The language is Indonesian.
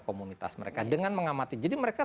komunitas mereka dengan mengamati jadi mereka